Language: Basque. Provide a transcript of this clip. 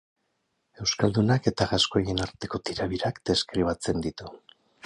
Euskaldunak eta gaskoien arteko tirabirak deskribatzen ditu.